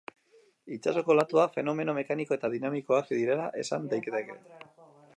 Itsasoko olatuak fenomeno mekaniko eta dinamikoak direla esan daiteke.